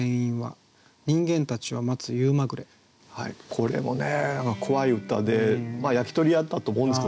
これもね怖い歌でまあ焼き鳥屋だと思うんですけどね